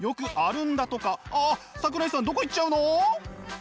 あっ桜井さんどこ行っちゃうの？